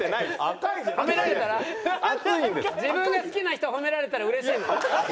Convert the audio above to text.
自分が好きな人褒められたらうれしいんだね。